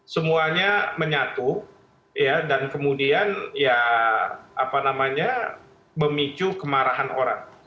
semuanya menyatu dan kemudian ya apa namanya memicu kemarahan orang